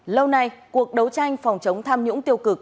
lâu nay cuộc đấu tranh phòng chống tham nhũng tiêu cực